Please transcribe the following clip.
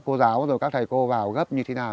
cô giáo rồi các thầy cô vào gấp như thế nào